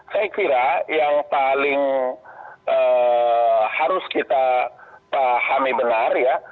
saya kira yang paling harus kita pahami benar ya